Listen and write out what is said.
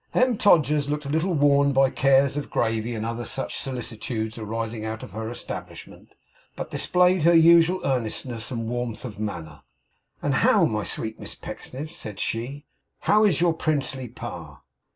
M. Todgers looked a little worn by cares of gravy and other such solicitudes arising out of her establishment, but displayed her usual earnestness and warmth of manner. 'And how, my sweet Miss Pecksniff,' said she, 'how is your princely pa?